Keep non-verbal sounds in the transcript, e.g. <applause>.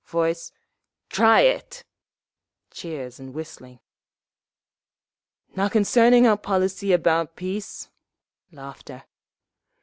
Voice: "Try it!" (Cheers and whistling.) "Now concerning our policy about peace." <laughs>